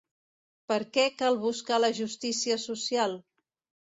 Per què cal buscar la justícia social?